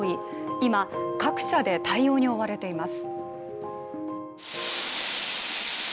今、各社で対応に追われています。